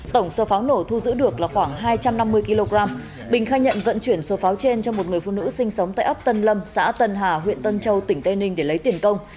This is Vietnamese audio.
tổng số pháo nổ thu giữ được là khoảng hai trăm năm mươi kg bình khai nhận vận chuyển số pháo trên cho một người phụ nữ sinh sống tại ấp tân lâm xã tân hà huyện tân châu tỉnh tây ninh để lấy tiền công